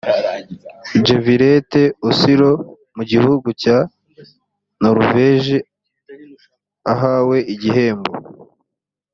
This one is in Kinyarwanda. geviret oslo mu gihugu cya noruveji ahawe igihembo